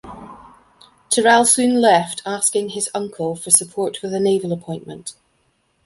Tyrrell soon left, asking his uncle for support with a naval appointment.